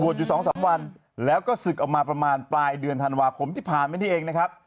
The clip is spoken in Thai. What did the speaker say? อยู่๒๓วันแล้วก็ศึกออกมาประมาณปลายเดือนธันวาคมที่ผ่านมานี่เองนะครับ